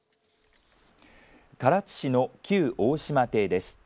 唐津市の旧大島邸です。